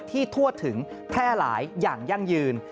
ทั่วถึงแพร่หลายอย่างยั่งยืน